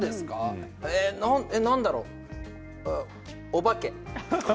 何だろうお化け。